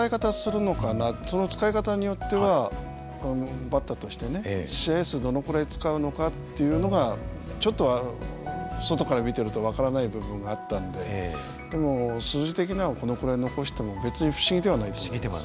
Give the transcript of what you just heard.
その使い方によってはバッターとして試合数どのくらい使うのかっていうのがちょっと外から見てると分からない部分があったんででも数字的にはこのくらい残しても別に不思議ではないと思います。